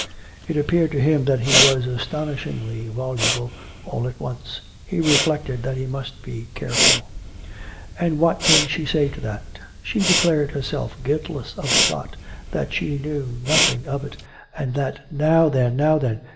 (It appeared to him that he was astonishingly voluble, all at once. He reflected that he must be careful.) COME RACK! COME ROPE! 451 " And what did she say to that? "" She declared herself guiltless of the plot ... that she knew nothing of it; and that "" Now then; now then.